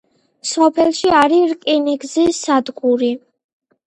სოფელში არის რკინიგზის სადგური.